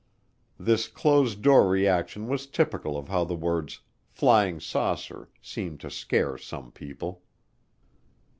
This closed door reaction was typical of how the words "flying saucer" seem to scare some people.